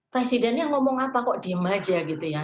presidennya ngomong apa kok diem aja gitu ya